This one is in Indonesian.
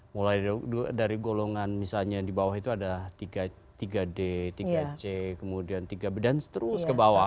mulai dari golongan misalnya dibawah itu ada tiga d tiga c kemudian tiga b dan terus ke bawah